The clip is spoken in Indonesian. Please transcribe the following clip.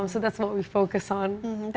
jadi itu yang kami fokus pada